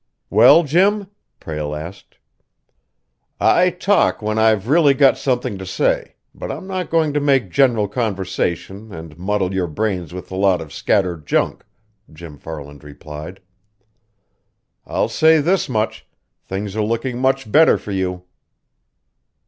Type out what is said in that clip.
"Well, Jim?" Prale asked. "I talk when I've really got something to say, but I'm not going to make general conversation and muddle your brains with a lot of scattered junk," Jim Farland replied. "I'll say this much things are looking much better for you."